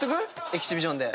エキシビションで。